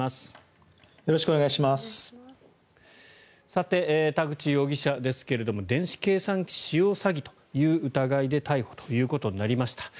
さて、田口容疑者ですが電子計算機使用詐欺という疑いで逮捕ということになりました。